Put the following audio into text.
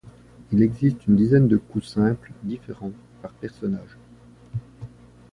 Il existe une dizaine de coups simples différents par personnage.